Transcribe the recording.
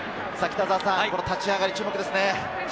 立ち上がり、注目ですね。